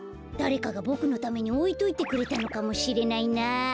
だれかがボクのためにおいといてくれたのかもしれないな。